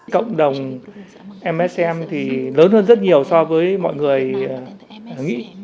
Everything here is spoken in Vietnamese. cộng đồng msm thì lớn hơn rất nhiều so với mọi người nghĩ